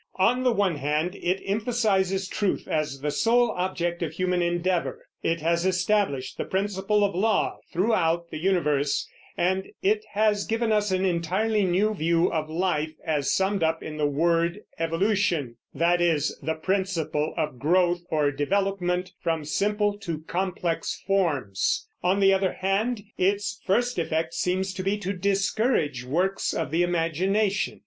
On the one hand it emphasizes truth as the sole object of human endeavor; it has established the principle of law throughout the universe; and it has given us an entirely new view of life, as summed up in the word "evolution," that is, the principle of growth or development from simple to complex forms. On the other hand, its first effect seems to be to discourage works of the imagination.